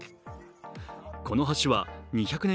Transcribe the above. この橋は２００年